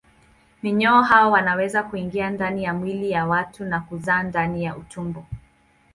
Minyoo hao wanaweza kuingia ndani ya mwili wa mtu na kuzaa ndani ya utumbo.